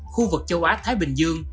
khu vực châu á thái bình dương